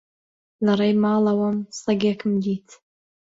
لە ڕێی ماڵەوەم سەگێکم دیت.